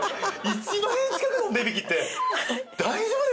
１万円近くもお値引きって大丈夫ですか？